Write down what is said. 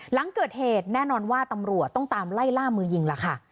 หลังเกิดเหตุแน่นอนว่าตำรวจต้องตามไล่ล่ามือยิงแล้วค่ะ